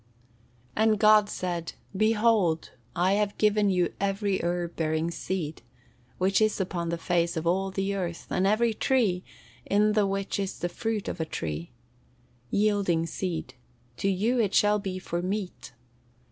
[Verse: "And God said, Behold, I have given you every herb bearing seed, which is upon the face of all the earth, and every tree, in the which is the fruit of a tree, yielding seed; to you it shall be for meat."